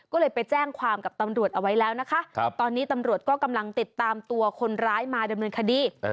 ก็เลยไปแจ้งความกับตำรวจเอาไว้แล้วนะคะตอนนี้ตำรวจก็กำลังติดตามตัวคนร้ายมาดำเนินคดี